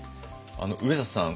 上里さん